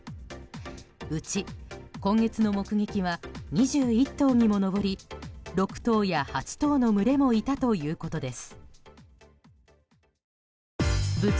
うち今月の目撃は２１頭にも上り６頭や８頭の群れもいたということです。